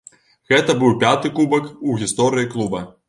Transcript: Гэта быў пяты кубак у гісторыі клуба.